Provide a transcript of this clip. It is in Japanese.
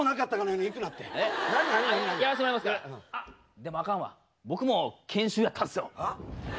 でもあかんわ僕も研修やったんすよ。